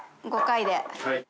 ５回で。